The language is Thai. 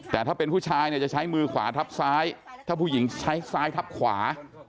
แต่ถ้าเป็นผู้ชายเนี่ยจะใช้มือขวาทับซ้ายถ้าผู้หญิงใช้ซ้ายทับขวา